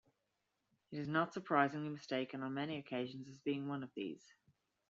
It is not surprisingly mistaken on many occasions as being one of these.